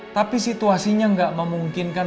tapi situasinya gak memungkinkan